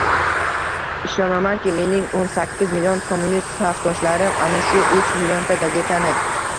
Ishonamanki, mening o‘n sakkiz million kommunist safdoshlarim ana shu uch millionta gazetani...